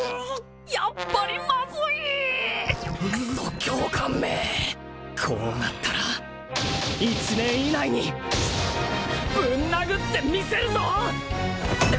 やっぱりマズいクソ教官めこうなったら１年以内にぶん殴ってみせるぞ！